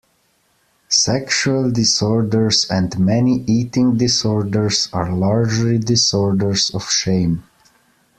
Sexual disorders and many eating disorders are largely disorders of shame.